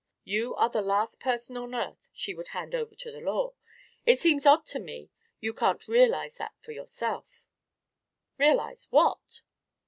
You are the last person on earth she would hand over to the law; it seems odd to me you can't realise that for yourself." "Realise what?"